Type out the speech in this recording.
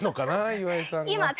岩井さんの。